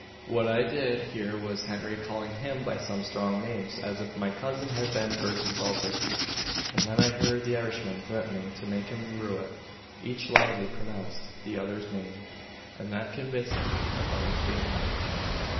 What I did hear was Henry calling him by some strong names, as if my cousin had been first insulted; and then I heard the Irishman threatening to make him rue it. Each loudly pronounced the other's name; and that convinced me about its being them.